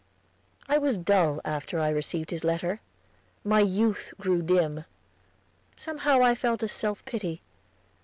I was dull after I received his letter. My youth grew dim; somehow I felt a self pity.